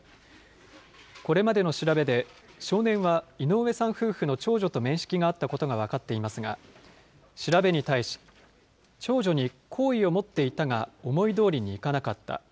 これまでの調べで、少年は井上さん夫婦の長女と面識があったことが分かっていますが、調べに対し、長女に好意を持っていたが思いどおりにいかなかった。